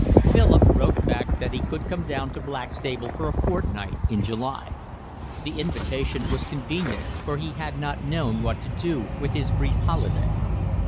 Philip wrote back that he could come down to Blackstable for a fortnight in July. The invitation was convenient, for he had not known what to do, with his brief holiday.